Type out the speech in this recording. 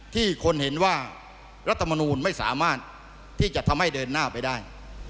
ที่คนเห็นว่ารัฐมนูลไม่สามารถที่จะทำให้เดินหน้าไปได้